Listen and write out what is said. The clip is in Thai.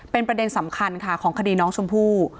เป็นประเด็นสำคัญค่ะของคดีน้องชมพู่